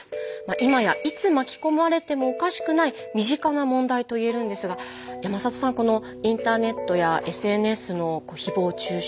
今やいつ巻き込まれてもおかしくない身近な問題といえるんですが山里さんこのインターネットやＳＮＳのひぼう中傷